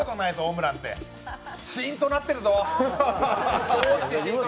しーんとなってるぞ！